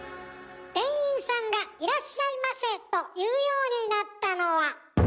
店員さんが「いらっしゃいませ」と言うようになったのは。